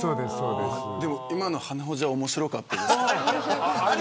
でも今の鼻ほじは面白かったです。